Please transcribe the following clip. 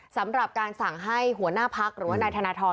สำหรับการสั่งให้หัวหน้าพักหรือว่านายธนทร